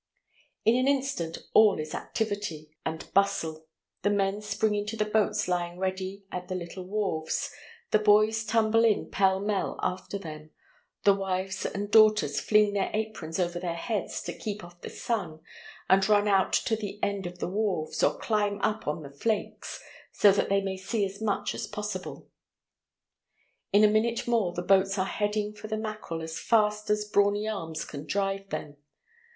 In an instant all is activity and bustle. The men spring into the boats lying ready at the little wharves, the boys tumble in pell mell after them, the wives and daughters fling their aprons over their heads to keep off the sun, and run out to the end of the wharves, or climb up on the flakes, so that they may see as much as possible. In a minute more the boats are heading for the mackerel as fast as brawny arms can drive them.